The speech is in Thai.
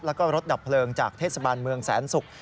แล้วก็รถดับเพลิงจากเทศบาลเมืองแสนศุกร์